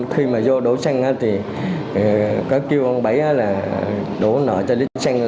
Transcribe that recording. khi mà vô đổ xanh thì có kêu ông bảy là nộ cho lít xanh